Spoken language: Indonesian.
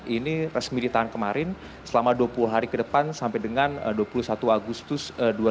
ini resmi ditahan kemarin selama dua puluh hari ke depan sampai dengan dua puluh satu agustus dua ribu dua puluh